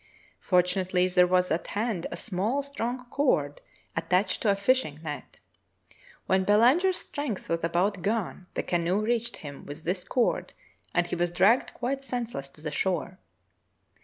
Fortunately there was at hand a small, strong cord attached to a fishing net. When Belanger's strength was about gone the canoe reached him with this cord and he was dragged quite senseless to the shore.